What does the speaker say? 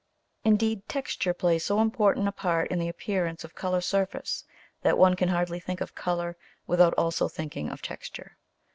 Indeed, texture plays so important a part in the appearance of colour surface, that one can hardly think of colour without also thinking of texture.